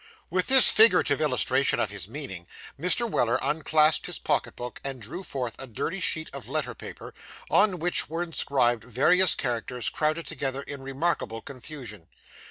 With this figurative illustration of his meaning, Mr. Weller unclasped his pocket book, and drew forth a dirty sheet of letter paper, on which were inscribed various characters crowded together in remarkable confusion.